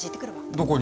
どこに？